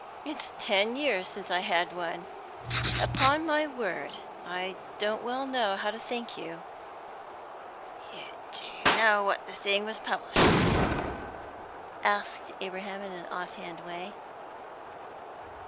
"It's ten years since I had one. Upon my word, I don't well know how to thank you!" "Do you know what the thing was published at?" asked Abraham in an off hand way.